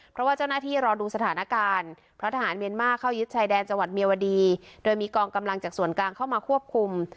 เพราะว่าเจ้าหน้าที่รอดูสถานการณ์เพราะทหารเมียนมาร์เข้ายึดชายแดนจังหวัดเมียวดีโดยมีกองกำลังจากส่วนกลางเข้ามาควบคุม